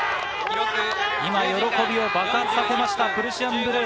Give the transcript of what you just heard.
喜びを爆発させましたプルシアンブルー。